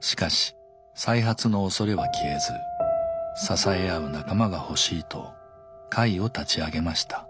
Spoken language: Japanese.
しかし再発のおそれは消えず支え合う仲間が欲しいと会を立ち上げました。